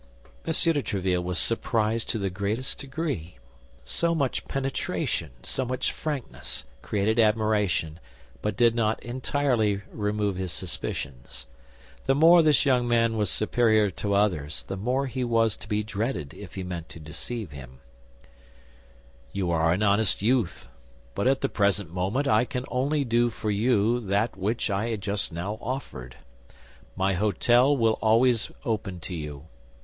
M. de Tréville was surprised to the greatest degree. So much penetration, so much frankness, created admiration, but did not entirely remove his suspicions. The more this young man was superior to others, the more he was to be dreaded if he meant to deceive him. Nevertheless, he pressed D'Artagnan's hand, and said to him: "You are an honest youth; but at the present moment I can only do for you that which I just now offered. My hôtel will be always open to you.